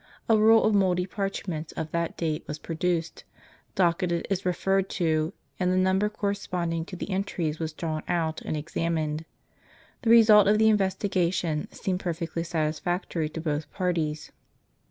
A roll of mouldy parchments of that date was produced, docketed as referred to, and the number cor responding to the entries was drawn out, and examined. The result of the investigation seemed perfectly satisfactory to both parties.